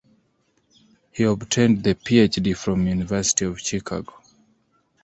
He obtained the PhD from University of Chicago.